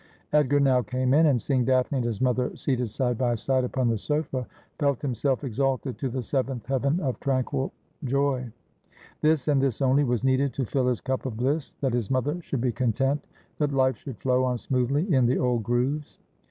Edgar now came in, and seeing Daphne and his mother seated side by side upon the sofa, felt himself exalted to the seventh heaven of tranquil joy. This and this only was needed to fill his cup of bliss : that his mother should be content, that life should flow on smoothly in the old grooves.